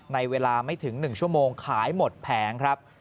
ในเวลาไม่ถึง๑ชั่วโมงขายหมดแผงครับ